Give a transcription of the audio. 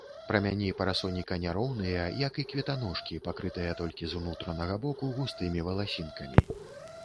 Прамяні парасоніка няроўныя, як і кветаножкі, пакрытыя толькі з унутранага боку густымі валасінкамі.